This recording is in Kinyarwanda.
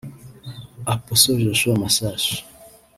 Apostle Joshua Masasu